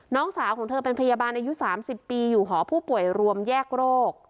น้องสาวของเธอเป็นพยาบาลอายุ๓๐ปีอยู่หอผู้ป่วยรวมแยกโรค